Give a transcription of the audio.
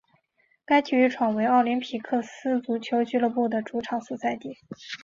该体育场为奥林匹亚克斯足球俱乐部的主场所在地。